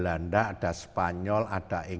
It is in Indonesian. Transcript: kita harus mengatasi